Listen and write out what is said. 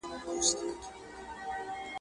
لېونتوب ته په خندا یې هر سړی وو.